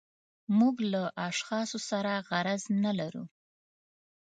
موږ له اشخاصو سره غرض نه لرو.